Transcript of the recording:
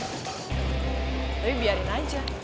tapi biarin aja